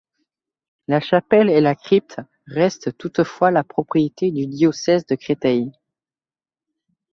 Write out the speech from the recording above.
La chapelle et la crypte restent toutefois la propriété du diocèse de Créteil.